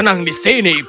dan mulai menyerangnya